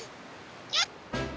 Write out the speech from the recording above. よっ！